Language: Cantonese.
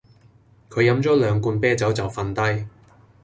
佢飲咗兩罐啤酒就瞓低